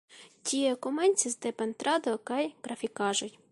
Tie komencis de pentrado kaj grafikaĵoj.